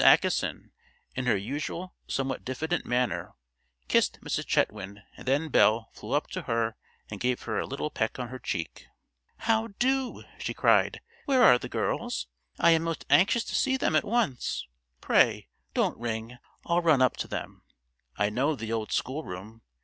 Acheson, in her usual somewhat diffident manner, kissed Mrs. Chetwynd, and then Belle flew up to her and gave her a little peck on her cheek. "How do?" she cried. "Where are the girls? I am most anxious to see them at once. Pray, don't ring; I'll run up to them. I know the old schoolroom.